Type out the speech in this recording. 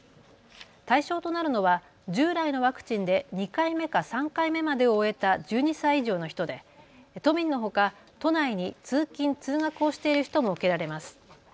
対象となるのは従来のワクチンで２回目か３回目までを終えた１２歳以上の人で都民のほか都内に通勤・通学をしている人も受けられます。